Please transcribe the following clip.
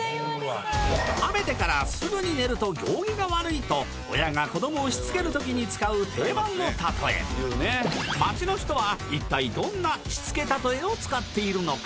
「食べてからすぐに寝ると行儀が悪い」と親が子どもをしつけるときに使う定番のたとえ街の人は一体どんなしつけたとえを使っているのか？